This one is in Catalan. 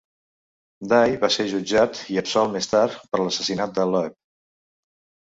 Day va ser jutjat i absolt més tard per l'assassinat de Loeb.